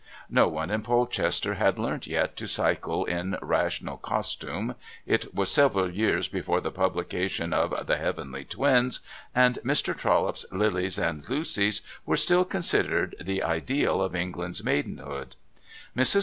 No one in Polchester had learnt yet to cycle in rational costume, it was several years before the publication of "The Heavenly Twins," and Mr. Trollope's Lilys and Lucys were still considered the ideal of England's maidenhood. Mrs.